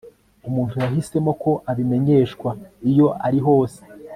umuntu yahisemo ko abimenyeshwa iyo arihose